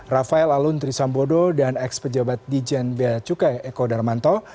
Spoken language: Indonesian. rafael alun trisambodo dan ex pejabat dijen bea cukai eko darmanto